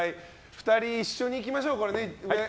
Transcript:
２人一緒にいきましょう。